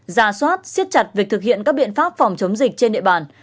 ra soát siết chặt việc thực hiện các biện pháp phòng chống dịch trên địa bàn